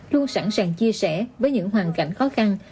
luôn sẵn sàng chia sẻ với những hoàn cảnh khó khăn